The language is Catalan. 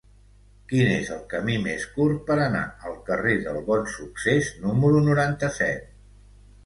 Quin és el camí més curt per anar al carrer del Bonsuccés número noranta-set?